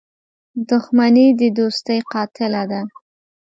• دښمني د دوستۍ قاتله ده.